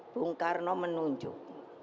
bung karno menunjuk